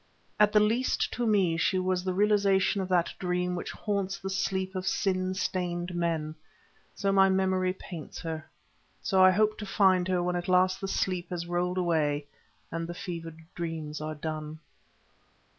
At the least to me she was the realization of that dream which haunts the sleep of sin stained men; so my memory paints her, so I hope to find her when at last the sleep has rolled away and the fevered dreams are done.